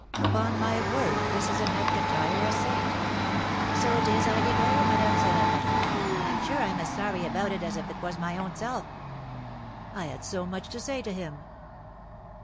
"Upon my word, this is enough to tire a saint!" "So it is, I declare, Madame Séraphin. I'm sure I'm as sorry about it as if it was my own self." "I had so much to say to him."